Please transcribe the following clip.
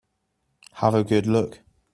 Have a good look.